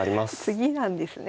次なんですね。